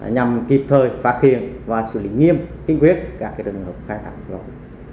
nhằm kịp thời phá khuyền và xử lý nghiêm kinh quyết các trường hợp khai thác cát sỏi